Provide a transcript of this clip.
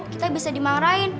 kita bisa dimarahin